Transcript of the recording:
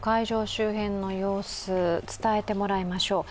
周辺の様子、伝えてもらいましょう。